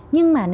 nhưng mà nếu như